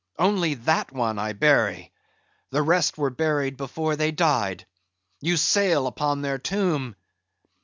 Only that one I bury; the rest were buried before they died; you sail upon their tomb."